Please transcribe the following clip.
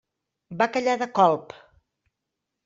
Va callar de colp.